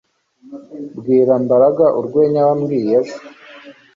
Bwira Mbaraga urwenya wambwiye ejo